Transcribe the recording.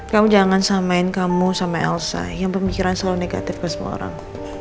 kamu jangan samain kamu sama elsa yang pemikiran selalu negatif ke semua orang